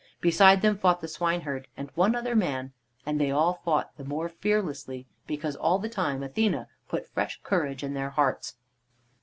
Beside them fought the swineherd and one other man, and they all fought the more fearlessly because, all the time, Athene put fresh courage in their hearts.